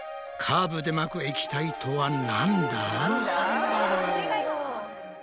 カーブでまく液体とはなんだ？